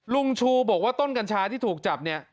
ลุงชูบอกว่าต้นกัญชาที่ถูกจับเนี่ย